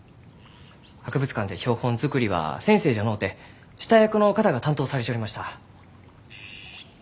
博物館で標本作りは先生じゃのうて下役の方が担当されちょりました。